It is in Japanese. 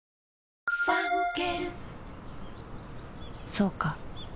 そうか